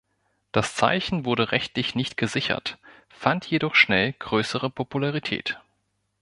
Das Zeichen wurde rechtlich nicht gesichert, fand jedoch schnell größere Popularität.